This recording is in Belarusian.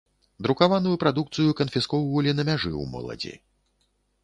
Друкаваную прадукцыю канфіскоўвалі на мяжы ў моладзі.